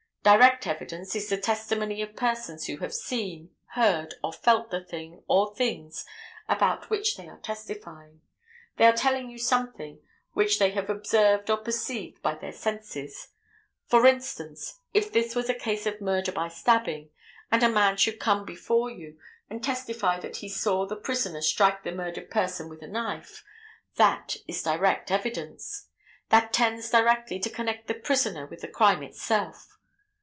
Direct evidence is the testimony of persons who have seen, heard or felt the thing or things about which they are testifying. They are telling you something which they have observed or perceived by their senses. For instance, if this was a case of murder by stabbing, and a man should come before you and testify that he saw the prisoner strike the murdered person with a knife, that is direct evidence; that tends directly to connect the prisoner with the crime itself.